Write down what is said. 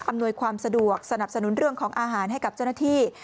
หน่วยความสะดวกสนับสนุนเรื่องของอาหารให้กับเจ้าหน้าที่